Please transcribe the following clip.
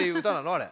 あれ。